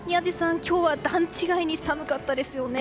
今日は段違いに寒かったですよね。